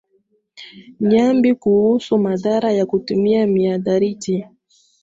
Niambie kuhusu madhara ya kutumia mihadarati